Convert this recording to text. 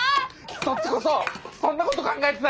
そっちこそそんなこと考えてたんだな！